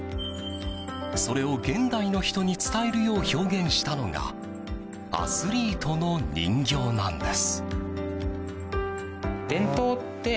それを現代の人に伝えるよう表現したのがアスリートの人形なんです。